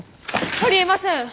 ありえません！